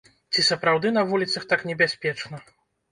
Ці сапраўды на вуліцах так небяспечна?